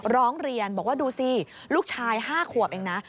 ร้องเรียนบอกว่าดูสิลูกชาย๕ขวบเองนะ